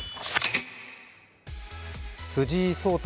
藤井聡太